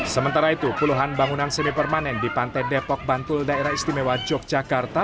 sementara itu puluhan bangunan semi permanen di pantai depok bantul daerah istimewa yogyakarta